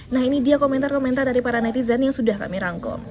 nah ini dia komentar komentar dari para netizen yang sudah kami rangkum